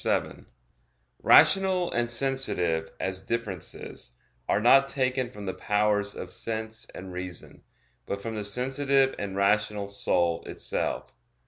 7: Rational and sensitive, as differences, are not taken from the powers of sense and reason, but from the sensitive and rational soul itself.